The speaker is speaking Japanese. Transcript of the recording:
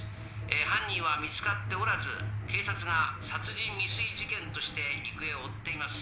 犯人は見つかっておらず警察が殺人未遂事件として行方を追っています